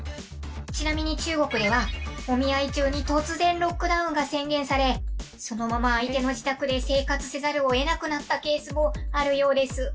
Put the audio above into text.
ちなみに中国ではお見合い中に突然ロックダウンが宣言されそのまま相手の自宅で生活せざるを得なくなったケースもあるようです。